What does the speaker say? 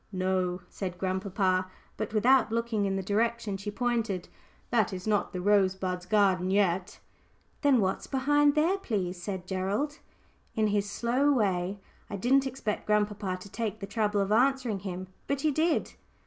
"No," said grandpapa, but without looking in the direction she pointed, "that is not the Rosebuds' garden yet." "Then what's behind there, please?" said Gerald, in his slow way. I didn't expect grandpapa to take the trouble of answering him, but he did.